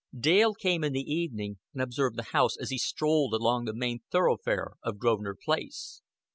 Dale came in the evening and observed the house as he strolled along the main thoroughfare of Grosvenor Place.